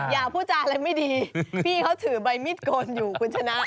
อย่าพูดจาอะไรไม่ดีพี่เขาถือใบมิดโกนอยู่คุณชนะ